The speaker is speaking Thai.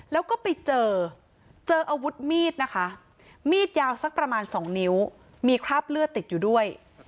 แล้วก็ไปเจอเจออาวุธมีดนะคะมีดยาวสักประมาณ๒นิ้วมีคราบเลือดติดอยู่ด้วย